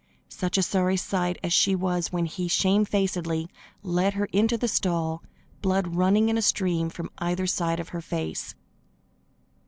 Such a sorry sight as she was when he, shamefacedly, led her into the stall, blood running in a stream from either side of her face.